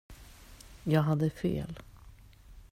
Jag hade fel!